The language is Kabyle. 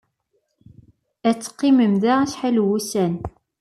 Ad teqqimem da acḥal n wussan.